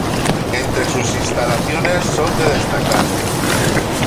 Entre sus instalaciones son de destacar,